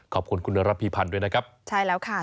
ขอบคุณคุณระพีพันธ์ด้วยนะครับใช่แล้วค่ะ